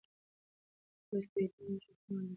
لوی اسټروېډونه لږ احتمال لري چې ټکر وکړي.